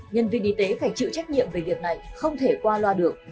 nhân viên y tế phải chịu trách nhiệm về việc này không thể qua loa được